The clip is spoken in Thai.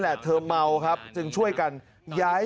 แต่ตอนนี้ติดต่อน้องไม่ได้